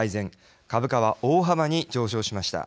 株価は大幅に上昇しました。